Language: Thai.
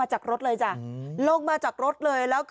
มันเลนเลี้ยวนี่ใช่ไหม